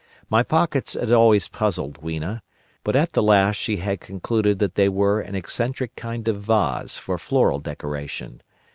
My pockets had always puzzled Weena, but at the last she had concluded that they were an eccentric kind of vases for floral decoration.